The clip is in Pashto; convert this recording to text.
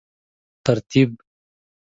ترتیب